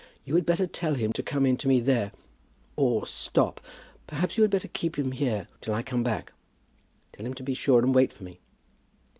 "You had better tell him to come to me there; or, stop, perhaps you had better keep him here till I come back. Tell him to be sure and wait for me."